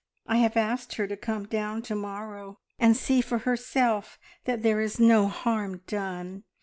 I have asked her to come down to morrow and see for herself that there is no harm done.